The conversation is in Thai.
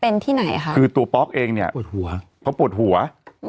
เป็นที่ไหนคะคือตัวป๊อกเองเนี่ยปวดหัวเขาปวดหัว